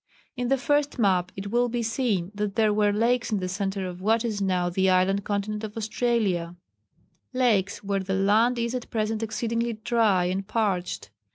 In the first map it will be seen that there were lakes in the centre of what is now the island continent of Australia lakes where the land is at present exceedingly dry and parched.